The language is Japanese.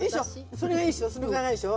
それがいいでしょ。